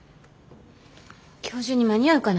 今日中に間に合うかな。